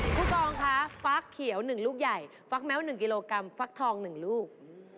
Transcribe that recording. กองค่ะฟักเขียว๑ลูกใหญ่ฟักแม้ว๑กิโลกรัมฟักทอง๑ลูก